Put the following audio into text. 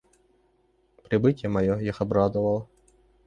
Прибытие мое их обрадовало.